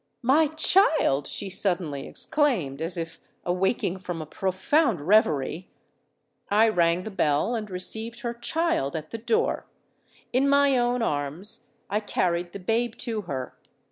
—'My child!' she suddenly exclaimed, as if awaking from a profound reverie.—I rang the bell, and received her child at the door: in my own arms I carried the babe to her.